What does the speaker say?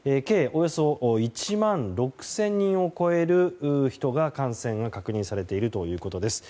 およそ１万６０００人を超える人が感染が確認されているということです。